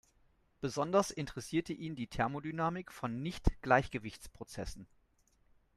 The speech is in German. Besonders interessierte ihn die Thermodynamik von Nicht-Gleichgewichtsprozessen.